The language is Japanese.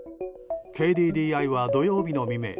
ＫＤＤＩは土曜日の未明